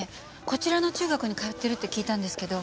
こちらの中学に通ってるって聞いたんですけど。